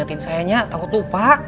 ingetin sayanya apa takut lupak